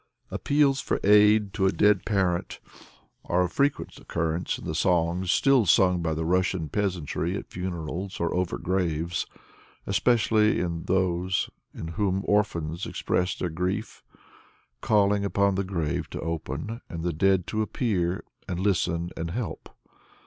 Appeals for aid to a dead parent are of frequent occurrence in the songs still sung by the Russian peasantry at funerals or over graves; especially in those in which orphans express their grief, calling upon the grave to open, and the dead to appear and listen and help.